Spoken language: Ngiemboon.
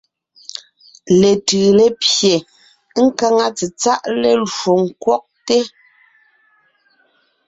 Letʉʉ lépye, nkáŋa tsetsáʼ lélwo ńkwɔgte.